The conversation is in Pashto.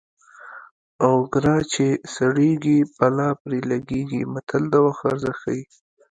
اوګره چې سړېږي بلا پرې لګېږي متل د وخت ارزښت ښيي